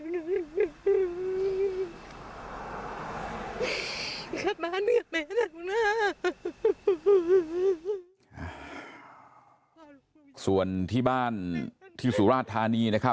แล้วก็ยัดลงถังสีฟ้าขนาด๒๐๐ลิตร